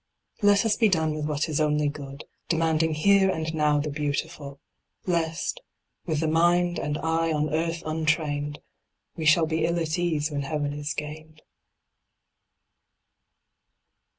Let us be done with what is only good, Demanding here and now the beautiful; Lest, with the mind and eye on earth untrained, We shall be ill at ease when heaven is gained.